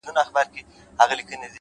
نیک عمل له الفاظو ډېر ځواک لري’